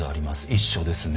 一緒ですね。